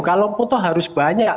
kalau pun toh harus banyak